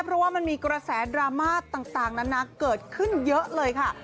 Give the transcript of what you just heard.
เพราะว่ามันมีกระแสดราม่าต่างนั้นนะเกิดขึ้นเยอะเลยค่ะ